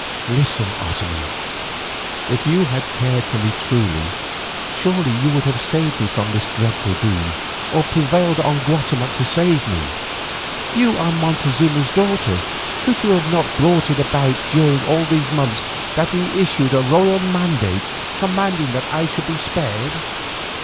"Listen, Otomie; if you had cared for me truly, surely you would have saved me from this dreadful doom, or prevailed on Guatemoc to save me. You are Montezuma's daughter, could you not have brought it about during all these months that he issued his royal mandate, commanding that I should be spared?"